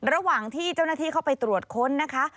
ระหว่างที่เจ้าหน้าที่เข้าไปตรวจค้นนะคะ